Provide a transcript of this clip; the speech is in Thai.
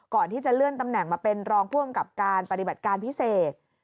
ก่อนที่จะเลื่อนตำแหน่งมาเป็นรองผู้อำกับการปฏิบัติการพิเศษ